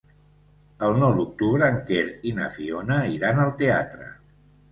El nou d'octubre en Quer i na Fiona iran al teatre.